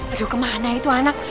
aduh kemana itu anak